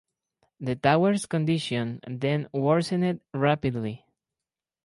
The tower's condition then worsened rapidly.